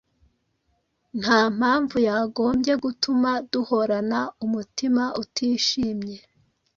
Nta mpamvu yagombye gutuma duhorana umutima utishimye